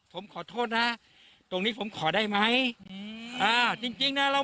ผมขอโทษนะตรงนี้ผมขอได้ไหมอืมอ่าจริงจริงนะเรา